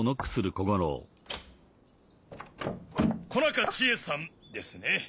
小中千絵さんですね？